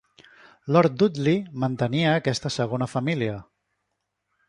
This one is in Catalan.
Lord Dudley mantenia aquesta segona família.